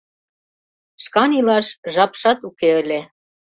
Шкан илаш жапшат уке ыле.